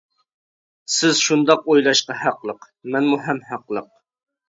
سىز شۇنداق ئويلاشقا ھەقلىق، مەنمۇ ھەم ھەقلىق.